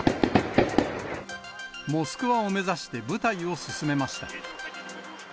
モスクワを目指して部隊を進めました。